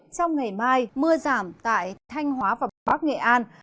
trong ngày mai mưa giảm tại thanh hóa và miền bắc nghệ an